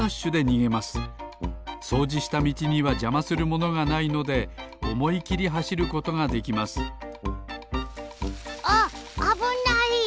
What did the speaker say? そうじしたみちにはじゃまするものがないのでおもいきりはしることができますあっあぶない！